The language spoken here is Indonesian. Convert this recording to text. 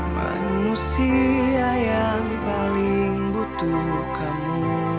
manusia yang paling butuh kamu